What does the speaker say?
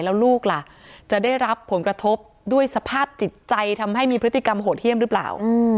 แล้วลูกล่ะจะได้รับผลกระทบด้วยสภาพจิตใจทำให้มีพฤติกรรมโหดเยี่ยมหรือเปล่า